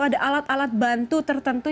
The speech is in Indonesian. ada alat alat bantu tertentu